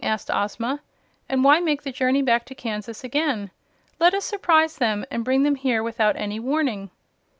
asked Ozma. "And why make the journey back to Kansas again? Let us surprise them, and bring them here without any warning."